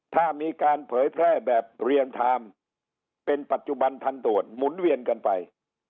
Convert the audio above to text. ถ้ามีการเผยแพร่แบบเรียงไทม์เป็นปัจจุบันพันตรวจหมุนเวียนกันไป